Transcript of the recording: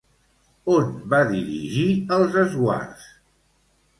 On va dirigir els esguards?